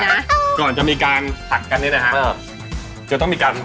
ก็อาจจะทำให้เกิดการยอมแพ้ได้วะมันแพ้